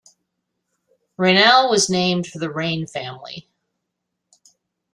Rainelle was named for the Raine family.